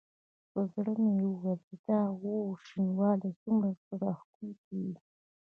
په زړه مې ویل چې د اوړي شینوالی څومره زړه راښکونکی وي.